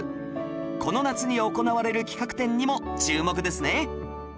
この夏に行われる企画展にも注目ですね